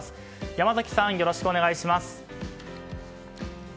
山崎さん、よろしくお願いします。